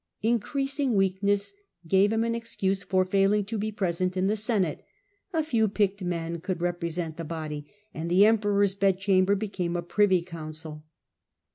Increasing weakness gave him an excuse for failing to be present in the Senate — a few picked men could represent the body, and the Emperor's bedchamber became a privy council.